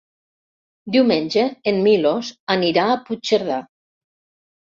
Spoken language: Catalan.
Diumenge en Milos anirà a Puigcerdà.